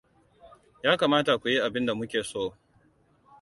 Ya kamata ku yi abinda mu ke so.